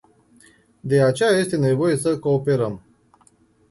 De aceea este nevoie să cooperăm.